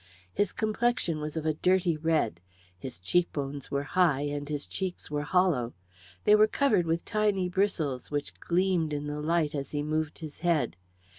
His complexion was of a dirty red. His cheekbones were high, and his cheeks were hollow. They were covered with tiny bristles, which gleamed in the light as he moved his head.